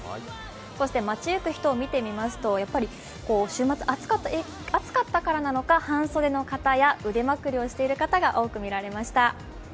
そして街行く人を見てみますと週末暑かったからなのか、半袖の方や腕まくりをしている方が多く見られました。